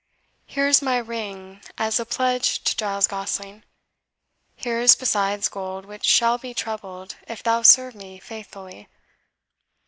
Here is my ring, as a pledge to Giles Gosling. Here is besides gold, which shall be trebled if thou serve me faithfully.